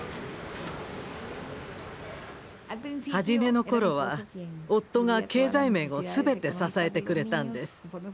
初めのころは夫が経済面を全て支えてくれたんです。